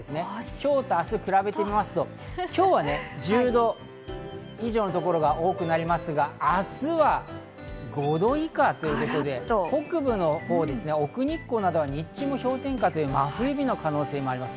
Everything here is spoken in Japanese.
今日と明日を比べると今日は１０度以上の所が多くなりますが、明日は５度以下ということで、北部のほう、奥日光などは日中も氷点下、真冬日の可能性があります。